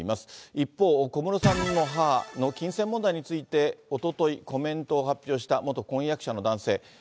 一方、小室さんの母の金銭問題についておととい、コメントを発表した元婚約者の男性。